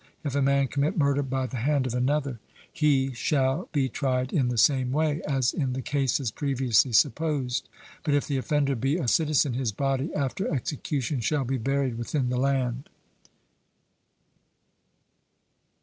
If a man commit murder by the hand of another, he shall be tried in the same way as in the cases previously supposed, but if the offender be a citizen, his body after execution shall be buried within the land.